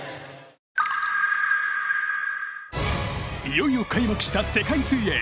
いよいよ開幕した世界水泳。